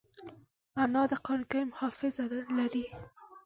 انا د قرانکریم حافظه لري